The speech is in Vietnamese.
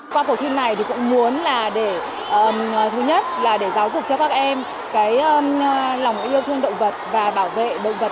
qua cuộc thi này thì cũng muốn là để thứ nhất là để giáo dục cho các em cái lòng yêu thương động vật và bảo vệ động vật